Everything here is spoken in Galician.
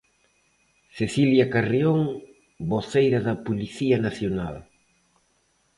Cecilia Carrión, voceira da Policía Nacional.